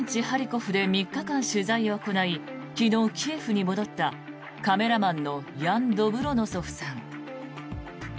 ハリコフで３日間取材を行い昨日、キエフに戻ったカメラマンのヤン・ドブロノソフさん。